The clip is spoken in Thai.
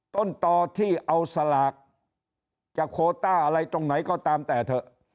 ต้นต่อที่เอาสลากจะโคต้าอะไรตรงไหนก็ตามแต่เถอะ